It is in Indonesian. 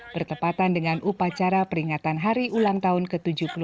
bertepatan dengan upacara peringatan hari ulang tahun ke tujuh puluh tiga